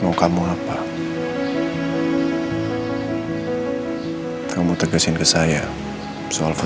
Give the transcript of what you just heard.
mas kamu udah lihat foto yang aku kirimin belum